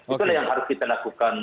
itulah yang harus kita lakukan